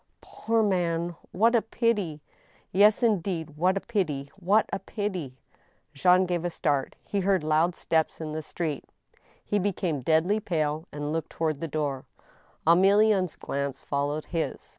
" Poor man ! What a pity !"" Yes, indeed — ^what a pity ! what a pity !" Jean gave a start He heard loud steps in the street. He be came deadly pale and looked toward the door. Emilienne's glance followed his.